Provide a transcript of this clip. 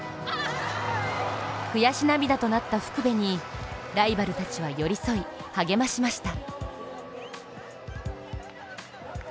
悔し涙となった福部にライバルたちは寄り添い励ましました。